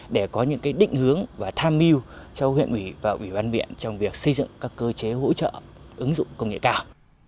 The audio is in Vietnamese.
để có những định hướng và tham mưu cho huyện ủy và ủy ban miệng trong việc xây dựng các cơ chế hỗ trợ ứng dụng công nghệ cao